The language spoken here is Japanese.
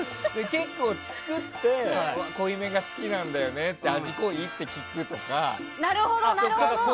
結構、作って濃いめが好きなんだよねって味濃い？って聞くとか。